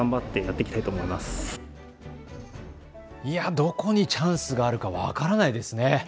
どこにチャンスがあるか分からないですね。